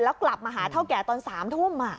แล้วกลับมาหาเท่าแก่ตอน๓ทุ่ม